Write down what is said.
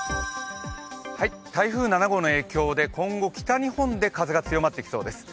台風７号の影響で今後、北日本で風が強まってきそうです。